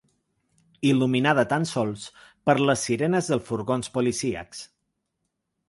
Il·luminada tant sols per les sirenes dels furgons policíacs.